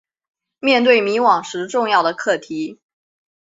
面对迷惘时重要的课题